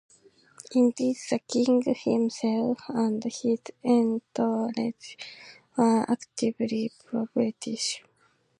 Indeed, the king himself and his entourages were actively pro-British.